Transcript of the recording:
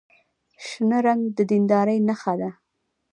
شنه رنګ د دیندارۍ نښه ده.